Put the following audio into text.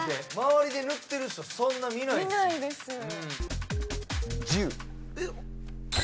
周りで塗ってる人そんな見ないです。